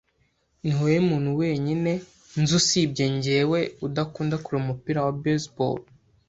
Niwowe muntu wenyine nzi usibye njyewe udakunda kureba umupira wa baseball.